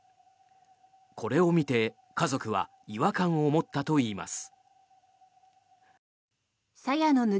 これを見て家族は違和感を持ったといいます。